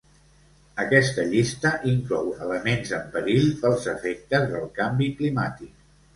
Aquesta llista inclou elements en perill pels efectes del canvi climàtic.